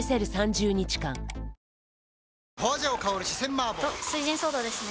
麻婆・と「翠ジンソーダ」ですね